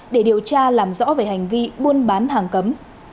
để điều tra làm rõ về hành vi buôn bán hàng cấm